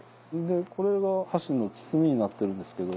これが箸の包みになってるんですけど。